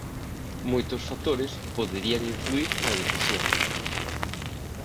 Moitos factores poderían influír na decisión